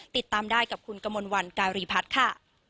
ติดตามได้กับคุณกมลวันการีพัฒน์ค่ะ